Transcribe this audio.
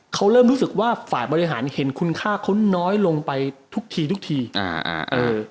เขาเริ่มรู้สึกว่าฝ่ายบริหารเห็นคุณค่าเขาน้อยลงไปทุกทีทุกทีอ่าอ่าเออ